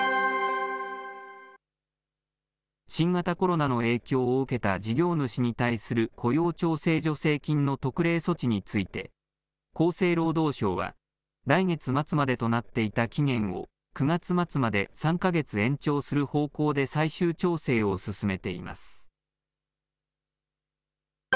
新型コロナの影響を受けた、事業主に対する雇用調整助成金の特例措置について、厚生労働省は、来月末までとなっていた期限を９月末まで３か月延長する方向で最終調整を進めています。